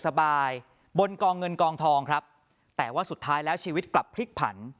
สบายบนกองเงินกองทองครับแต่ว่าสุดท้ายแล้วชีวิตกลับพลิกผัน